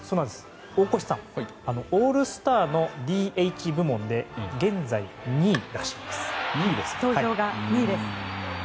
大越さんオールスターのＤＨ部門で投票が２位です。